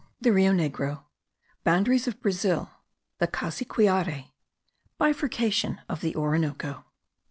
THE RIO NEGRO. BOUNDARIES OF BRAZIL. THE CASSIQUIARE. BIFURCATION OF THE ORINOCO.